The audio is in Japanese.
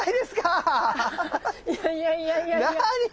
あいやいやいやいやいや。